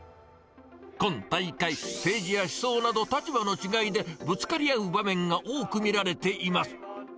今大会、政治や思想など、立場の違いで、ぶつかり合う場面が多く見られています。